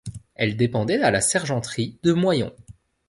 Elle dépendait à la sergenterie de Moyon.